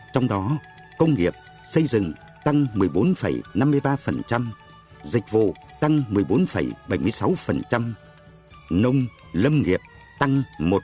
trong đó công nghiệp xây dựng tăng một mươi bốn năm mươi ba dịch vụ tăng một mươi bốn bảy mươi sáu nông lâm nghiệp tăng một